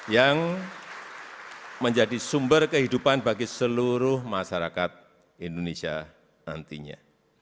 yang menjadi sumber kehidupan bagi seluruh masyarakat indonesia nantinya